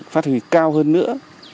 phát huy cao hơn nữa